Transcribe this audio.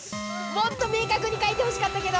◆もっと明確に書いてほしかったけど。